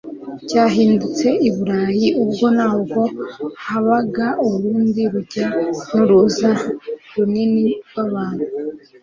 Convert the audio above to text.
Cyadutse i Burayi ubwo nabwo habaga urundi rujya n'uruza runini rw'abantu,